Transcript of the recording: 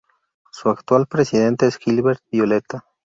Su actual presidente es Gilbert Violeta.